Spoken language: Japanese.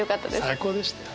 最高でした。